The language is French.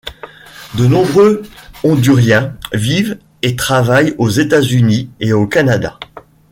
De nombreux Honduriens vivent et travaillent aux États-Unis, et au Canada.